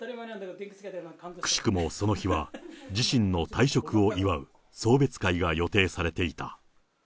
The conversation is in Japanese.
くしくもその日は自身の退職を祝う送別会が予定されていた。